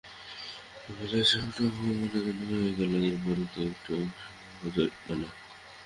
এই বলে এক চোট অপমান তো হয়েই গেল, তার পরে এক-শো টাকা জরিমানা।